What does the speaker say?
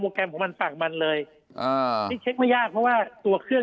แกรมของมันฝั่งมันเลยอ่านี่เช็คไม่ยากเพราะว่าตัวเครื่อง